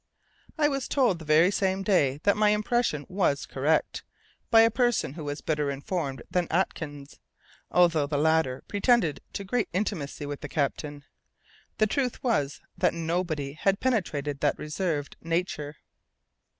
I was told the very same day that my impression was correct, by a person who was better informed than Atkins, although the latter pretended to great intimacy with the captain. The truth was that nobody had penetrated that reserved nature.